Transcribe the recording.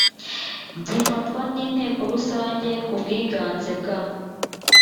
gifatwa n inteko rusange ku bwiganze bwa